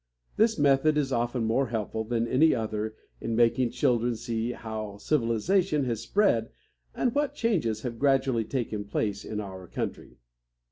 This method is often more helpful than any other in making children see how civilization has spread and what changes have gradually taken place in our country.